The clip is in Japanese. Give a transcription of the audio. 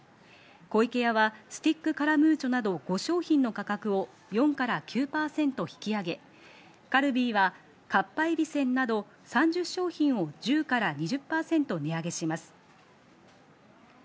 湖池屋はスティックカラムーチョなど５商品の価格を４から９％引き上げ、カルビーはかっぱえびせんなど３０商品を１０から２０％値上げします。